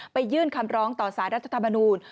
ยื่นคำร้องต่อสารรัฐธรรมนูญ